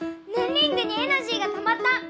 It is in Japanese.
リングにエナジーがたまった！